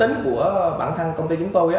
tính của bản thân công ty chúng tôi